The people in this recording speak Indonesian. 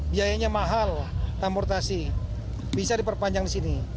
biayanya mahal transportasi bisa diperpanjang di sini